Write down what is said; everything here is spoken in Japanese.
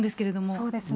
そうですね。